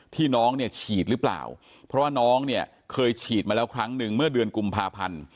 น้องเนี่ยฉีดหรือเปล่าเพราะว่าน้องเนี่ยเคยฉีดมาแล้วครั้งหนึ่งเมื่อเดือนกุมภาพันธ์